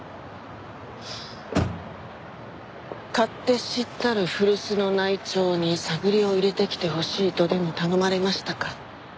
勝手知ったる古巣の内調に探りを入れてきてほしいとでも頼まれましたか。